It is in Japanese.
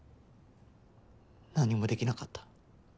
何もできなかった。